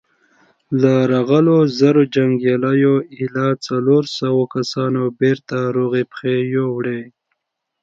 له راغلو زرو جنګياليو ايله څلورو سوو کسانو بېرته روغي پښې يووړې.